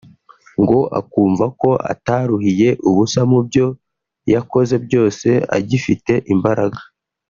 ngo akumva ko ataruhiye ubusa mu byo yakoze byose agifite imbaraga